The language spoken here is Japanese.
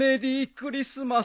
クリスマス。